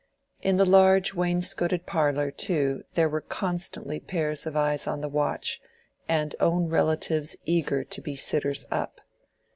In the large wainscoted parlor too there were constantly pairs of eyes on the watch, and own relatives eager to be "sitters up."